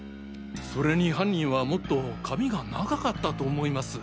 それに犯人はもっと髪が長かったと思います。